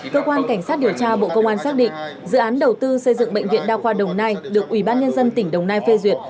cơ quan cảnh sát điều tra bộ công an xác định dự án đầu tư xây dựng bệnh viện đa khoa đồng nai được ủy ban nhân dân tỉnh đồng nai phê duyệt